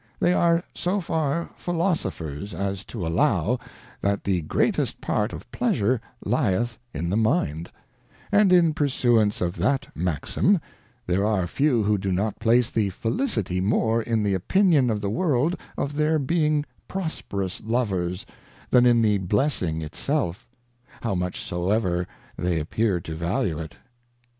They are so far Philosophers, B E H A F I O U R, ^c. 29 Philosophers, as to allow, that the greatest part of Pleasure lieth in the Mind; and in pursuance of that Maxim, there are few who do not place the Felicity more in the Opinion of the World, of their being prosperous Lovers, than in the Blessing it self, how much soever they appear to value it.